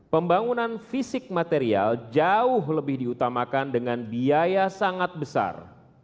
pembangunan fisik material jauh lebih diutamakan dengan biaya sangat besar